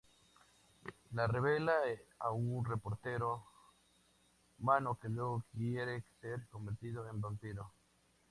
La revela a un reportero humano que luego quiere ser convertido en vampiro.